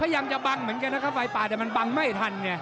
ยังบังเหมือนกันฟายป่าแต่บังไม่ทัน